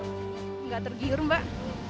tidak tergiru mbak